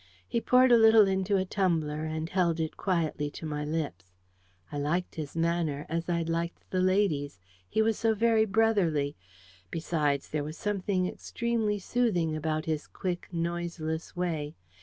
He poured a little into a tumbler and held it quietly to my lips. I liked his manner, as I'd liked the lady's. He was so very brotherly. Besides, there was something extremely soothing about his quick, noiseless way.